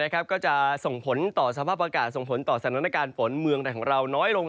ก็จะส่งผลต่อสภาพอากาศส่งผลต่อสถานการณ์ฝนเมืองไทยของเราน้อยลง